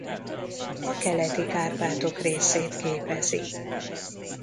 A Keleti-Kárpátok részét képezi.